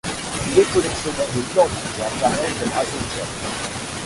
Il est collectionneur de plantes et apparaît comme asocial.